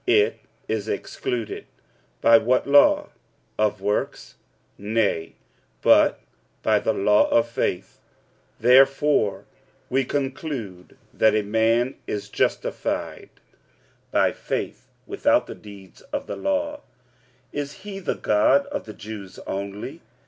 It is excluded. By what law? of works? Nay: but by the law of faith. 45:003:028 Therefore we conclude that a man is justified by faith without the deeds of the law. 45:003:029 Is he the God of the Jews only?